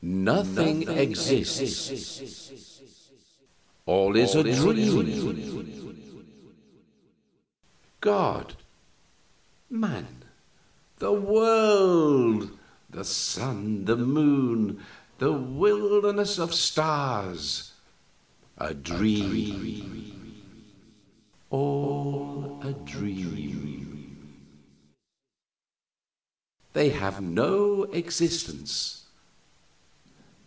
"Nothing exists; all is a dream. God man the world the sun, the moon, the wilderness of stars a dream, all a dream; they have no existence.